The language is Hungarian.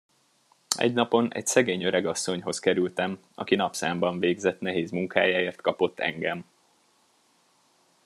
Egy napon egy szegény öregasszonyhoz kerültem, aki napszámban végzett nehéz munkájáért kapott engem.